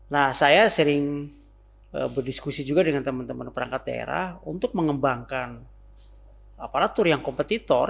nah saya sering berdiskusi juga dengan teman teman perangkat daerah untuk mengembangkan aparatur yang kompetitor